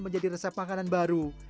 menjadi resep makanan baru